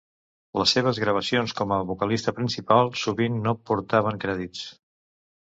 Les seves gravacions com a vocalista principal sovint no portaven crèdits.